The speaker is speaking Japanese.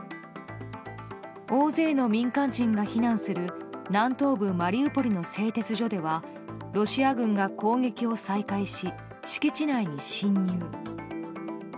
大勢の民間人が避難する南東部マリウポリの製鉄所ではロシア軍が攻撃を再開し敷地内に侵入。